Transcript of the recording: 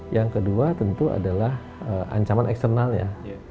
yang kedua tentu adalah ancaman eksternalnya